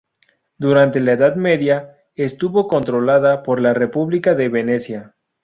Durante la Edad Media, estuvo controlada por la República de Venecia.